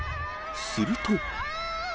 すると。